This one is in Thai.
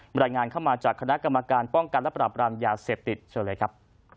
รายงานเข้ามาจากคณะกรรมการป้องกันและปรับรามยาเสพติดเชิญเลยครับ